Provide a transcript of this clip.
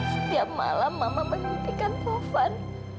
setiap malam mama menghentikan taufan